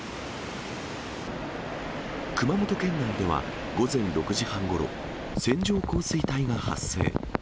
熊本県内では、午前６時半ごろ、線状降水帯が発生。